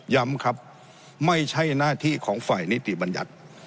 ย้ำครับไม่ใช่หน้าที่ของฝ่ายนิติบัญญัติ